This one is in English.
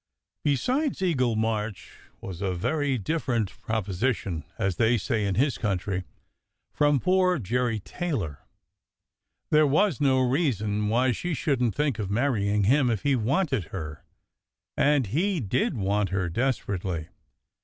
Besides, Eagle March was a very different "proposi tion," as they say in his country, from poor Jerry Taylor. There was no reason why she shouldn t think of marrying him if he wanted her, and he did want her desperately.